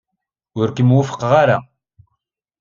Ur kem-wufqeɣ ara.